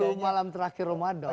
ini sepuluh malam terakhir ramadan